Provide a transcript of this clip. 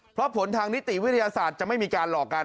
เพราะผลทางนิติวิทยาศาสตร์จะไม่มีการหลอกกัน